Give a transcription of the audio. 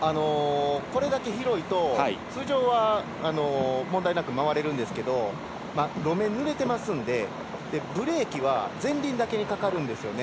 これだけ広いと通常は問題なく回れるんですが路面ぬれてますのでブレーキは前輪だけにかかるんですよね。